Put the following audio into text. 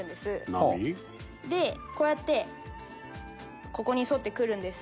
波？でこうやってここに沿ってくるんです。